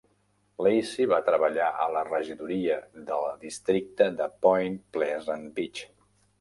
Lacey va treballar a la regidoria de districte de Point Pleasant Beach.